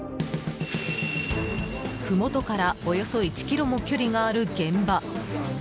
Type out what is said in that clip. ふもとからおよそ１ｋｍも距離がある現場。